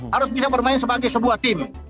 harus bisa bermain sebagai sebuah tim